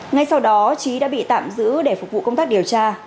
ngay sau đó trí đã bị tạm giữ để phục vụ công tác điều tra